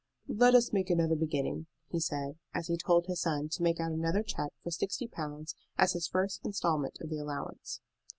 "Let us make another beginning," he said, as he told his son to make out another check for sixty pounds as his first instalment of the allowance.